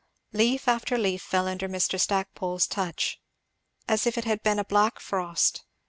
Leaf after leaf fell under Mr. Stackpole's touch, as if it had been a black frost.